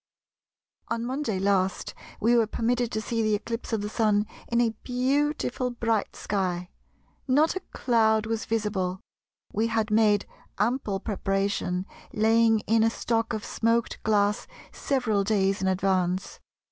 — "On Monday last we were permitted to see the eclipse of the Sun in a beautiful bright sky. Not a cloud was visible. We had made ample preparation, laying in a stock of smoked glass several days in advance.